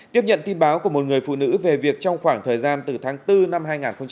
tiếp nhận tin báo của một người phụ nữ về việc trong khoảng thời gian từ tháng bốn năm hai nghìn hai mươi